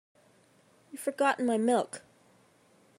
You've forgotten my milk.